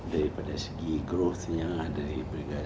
daripada segi growth nya dari